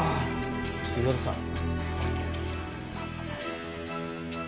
ちょっと岩田さん。